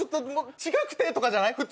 違くて！とかじゃない！？